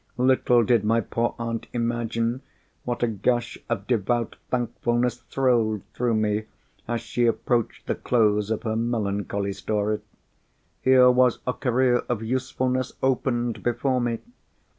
Little did my poor aunt imagine what a gush of devout thankfulness thrilled through me as she approached the close of her melancholy story. Here was a career of usefulness opened before me!